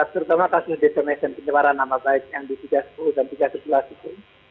terutama kasus desonation penyebaran nama baik yang di tiga puluh dan tiga ratus sebelas itu